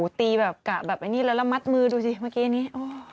อะไรแบบนี้ละละละมัดมือดูสิเมื่อกี้นี้